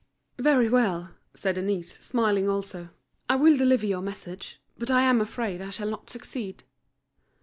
"Very well!" said Denise, smiling also, "I will deliver your message, but I am afraid I shall not succeed."